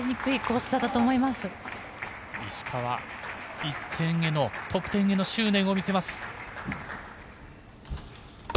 石川得点への執念を見せます。